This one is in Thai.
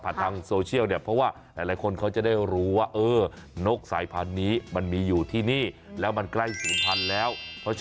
ผ่านทางโซเชียลเนี่ยเพราะว่าหลายคนเขาจะได้รู้ว่าเออ